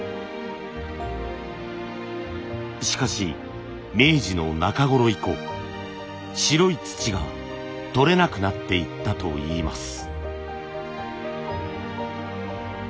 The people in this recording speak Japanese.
しかし明治の中頃以降白い土が採れなくなっていったといいます。